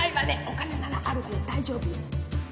お金ならあるわよ大丈夫よ